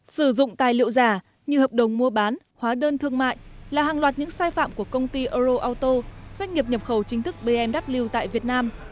sử dụng tài liệu giả như hợp đồng mua bán hóa đơn thương mại là hàng loạt những sai phạm của công ty euro auto doanh nghiệp nhập khẩu chính thức bmw tại việt nam